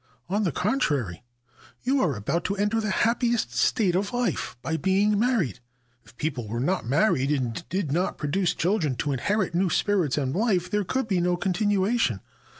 On the contrary, you are about to enter the happiest state of life, by being married. If people were not married, and did not pro duce children to inherit new spirits and life, there could be no continuation.